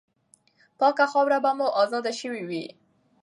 پاکه خاوره به مو آزاده سوې وي.